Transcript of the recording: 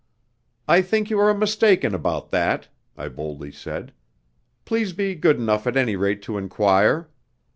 "I think you are mistaken about that," I boldly said. "Please be good enough at any rate to enquire."